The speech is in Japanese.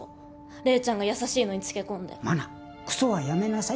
礼ちゃんが優しいのにつけ込んで茉奈クソはやめなさい